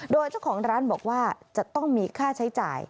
โดยเจ้าของร้านบอกว่าจะต้องมีค่าใช้จ่าย